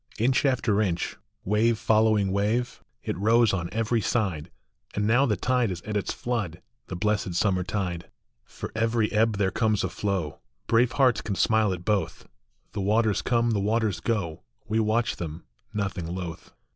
Inch after inch, wave following wave, it rose on every side ; And now the tide is at its flood, the blessed summer tide. For every ebb there comes a flow ; brave hearts can smile at both. The waters come, the waters go ; we watch them, nothing loath.